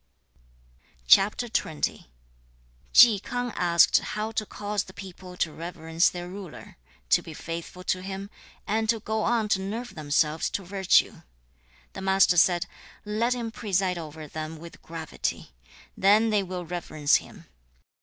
Chi K'ang asked how to cause the people to reverence their ruler, to be faithful to him, and to go on to nerve themselves to virtue. The Master said, 'Let him preside over them with gravity; then they will reverence him.